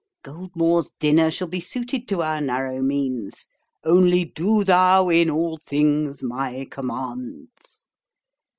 Goldmore's dinner shall be suited to our narrow means. Only do thou in all things my commands.'